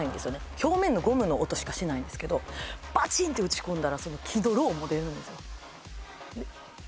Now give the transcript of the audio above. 表面のゴムの音しかしないんですけどバチンって打ち込んだらその木のローも出るんですよ